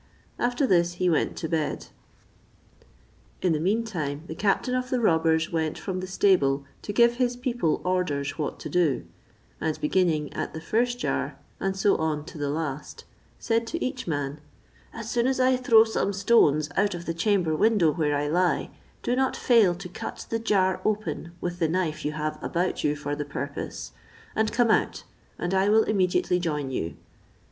After this he went to bed. In the mean time the captain of the robbers went from the stable to give his people orders what to do; and beginning at the first jar, and so on to the last, said to each man: "As soon as I throw some stones out of the chamber window where I lie, do not fail to cut the jar open with the knife you have about you for the purpose, and come out, and I will immediately join you."